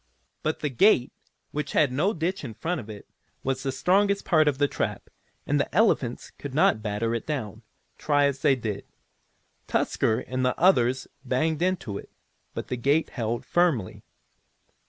But the gate, which had no ditch in front of it, was the strongest part of the trap, and the elephants could not batter it down, try as they did. Tusker and the others banged into it, but the gate held firmly.